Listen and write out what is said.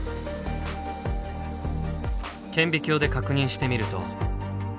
顕微鏡で確認してみると。